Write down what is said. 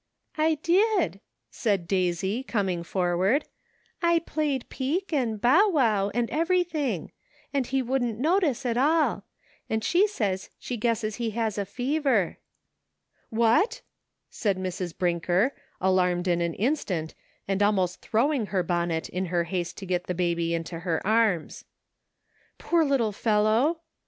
I did," said Daisy, coming forward ;" I played 'peek' and 'bow wow' and everything, and he wouldn't notice at all ; and she says she guesses he has a fever." " What ?" said Mrs. Brinker, alarmed in an instant, and almost throwing her bonnet in her haste to get the baby into her arms. " Poor little fellow